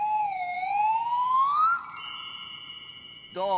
どう？